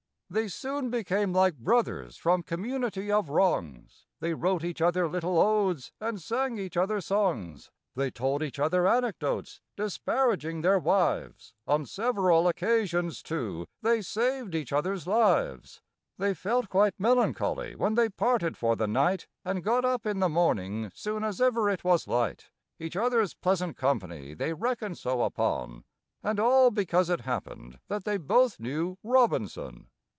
They soon became like brothers from community of wrongs: They wrote each other little odes and sang each other songs; They told each other anecdotes disparaging their wives; On several occasions, too, they saved each other's lives. They felt quite melancholy when they parted for the night, And got up in the morning soon as ever it was light; Each other's pleasant company they reckoned so upon, And all because it happened that they both knew ROBINSON!